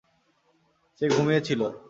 সে ঘুমিয়ে ছিল।